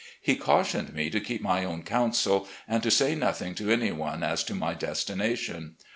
He cautioned me to keep my own counsel, and to say nothing to any one as to my destination.